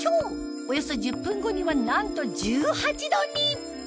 およそ１０分後にはなんと１８度に！